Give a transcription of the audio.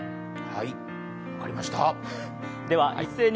はい、分かりました。